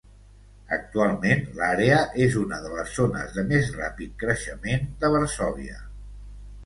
Actualment, l'àrea és una de les zones de més ràpid creixement de Varsòvia.